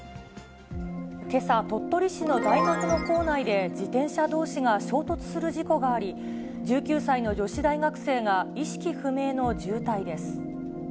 けさ、鳥取市の大学の構内で自転車どうしが衝突する事故があり、１９歳の女子大学生が意識不明の重体です。